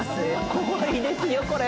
怖いですよこれ。